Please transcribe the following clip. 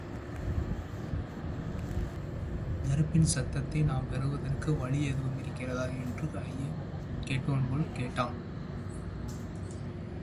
நெருப்பின் சத்தை நாம்பெறுவதற்கு... வழி... எதுவும் இருக்கிறதா? என்று ஐயம் கேட்பவன்போல் கேட்டான்.